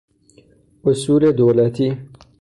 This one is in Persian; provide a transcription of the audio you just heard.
اصول دولتی